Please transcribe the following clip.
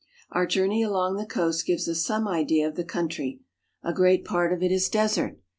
Our journey along the coast gives us some idea of the country. A great part of it is desert.